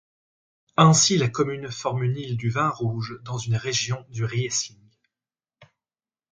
Ainsi la commune forme une île du vin rouge dans une région du Riesling.